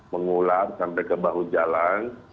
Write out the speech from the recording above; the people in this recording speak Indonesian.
mengular sampai ke bahu jalan